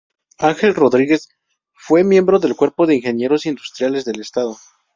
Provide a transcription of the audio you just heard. Ángel Rodríguez Ruiz fue miembro del Cuerpo de Ingenieros Industriales del Estado.